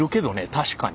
確かに。